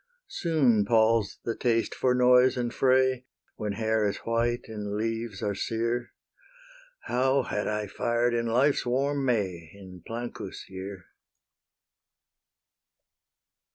Soon palls the taste for noise and fray, When hair is white and leaves are sere: How had I fired in life's warm May, In Plancus' year!